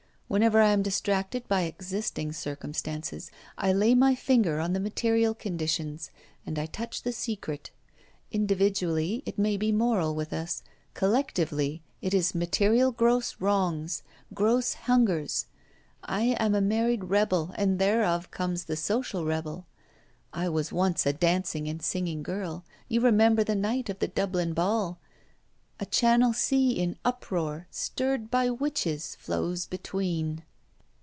Whenever I am distracted by existing circumstances, I lay my finger on the material conditions, and I touch the secret. Individually, it may be moral with us; collectively, it is material gross wrongs, gross hungers. I am a married rebel, and thereof comes the social rebel. I was once a dancing and singing girl: You remember the night of the Dublin Ball. A Channel sea in uproar, stirred by witches, flows between.'